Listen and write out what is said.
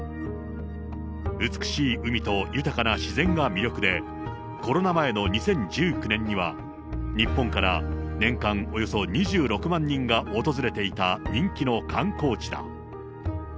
美しい海と豊かな自然が魅力で、コロナ前の２０１９年には、日本から年間およそ２６万人が訪れていた人気の観光地だ。